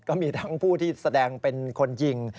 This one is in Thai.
ก็มีทั้งผู้ที่แสดงเป็นคนยิง